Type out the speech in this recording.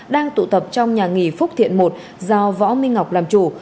đang tụ tập trong nhà nghỉ phúc thiện một do võ minh ngọc làm chủ